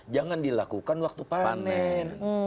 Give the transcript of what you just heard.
jangan dilakukan waktu panen